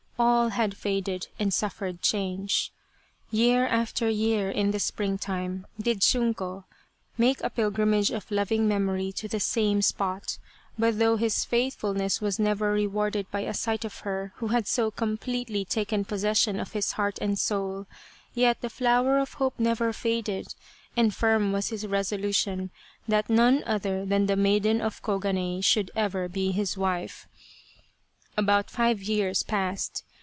All had faded and suffered change. Year after year, in the springtime, did Shunko make a pilgrimage of loving memory to the same spot, but though his faithfulness was never rewarded by a sight of her, who had so completely taken possession of his heart and soul, yet the flower of hope never faded, and firm was his resolution, that none other than the maiden of Koganei should ever be his wife. 250 A Cherry Flower Idyll About five years passed.